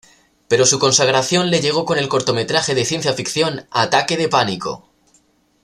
Pero su consagración le llegó con el cortometraje de ciencia ficción "¡Ataque de pánico!